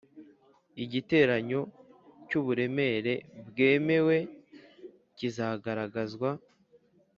igiteranyo cy uburemere bwemewe kizagaragazwa